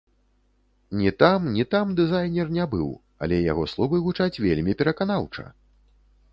Ні там, ні там дызайнер не быў, але яго словы гучаць вельмі пераканаўча!